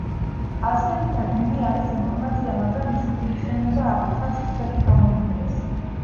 არსებითად მიმი არის ინფორმაცია, მაგრამ მისი ფუნქციონირება აღნიშნავს ქცევით გამოვლინებას.